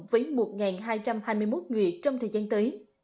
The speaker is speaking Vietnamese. với một hai trăm hai mươi một người trong thời gian tới